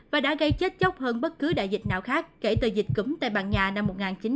và đã gây chết chóc hơn bất cứ đại dịch nào khác kể từ dịch cứng tây ban nha năm một nghìn chín trăm một mươi tám